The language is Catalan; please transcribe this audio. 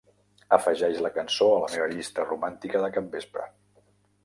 Afegeix la cançó a la meva llista romàntica de capvespre.